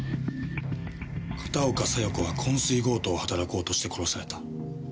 片岡小夜子は昏睡強盗を働こうとして殺された。